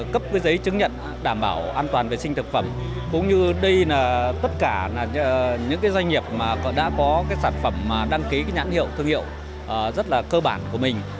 khi tất cả những doanh nghiệp đã có sản phẩm đăng ký nhãn hiệu thương hiệu rất là cơ bản của mình